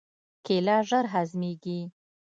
کېله ژر هضمېږي.